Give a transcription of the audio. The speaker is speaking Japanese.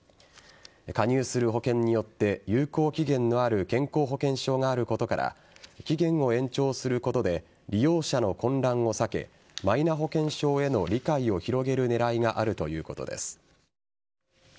加入する保険によって有効期限のある健康保険証があることから期限を延長することで利用者の混乱を避けマイナ保険証への理解を広げる狙いがあるということです。